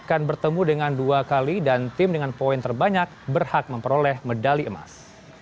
akan bertemu dengan dua kali dan tim dengan poin terbanyak berhak memperoleh medali emas